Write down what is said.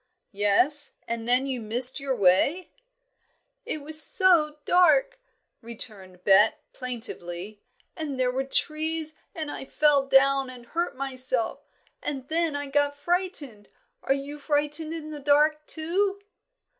"Yes; and then you missed your way?" "It was so dark," returned Bet, plaintively, "and there were trees, and I fell down and hurt myself, and then I got frightened. Are you frightened in the dark, too?"